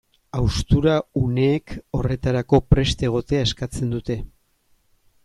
Haustura uneek horretarako prest egotea eskatzen dute.